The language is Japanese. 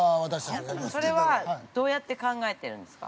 それは、どうやって考えてるんですか？